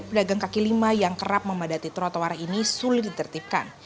pemimpin yang memadati trotoar ini sulit ditertipkan